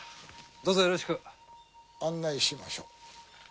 どうぞよろしく。案内しましょう。